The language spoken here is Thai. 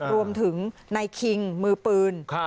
รวมถึงนายคิงมือปืน